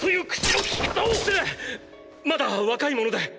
まだ若いもので。